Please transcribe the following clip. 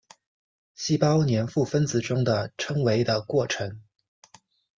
细胞黏附分子中的称为的过程。